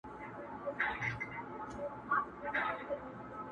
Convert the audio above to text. زما د غیرت شمله به کښته ګوري!